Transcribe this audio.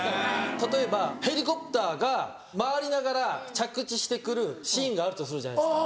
例えばヘリコプターが回りながら着地してくるシーンがあるとするじゃないですか。